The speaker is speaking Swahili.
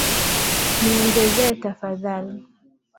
Niongezee tafadhali.